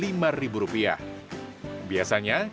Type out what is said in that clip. biasanya kecoa jenis ini dikumpulkan dengan kecoa yang berbeda